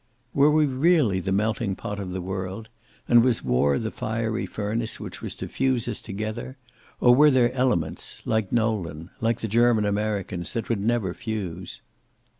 Were we really the melting pot of the world, and was war the fiery furnace which was to fuse us together, or were there elements, like Nolan, like the German Americans, that would never fuse?